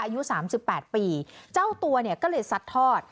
อายุสามสิบแปดปีเจ้าตัวเนี่ยก็เลยซัดทอด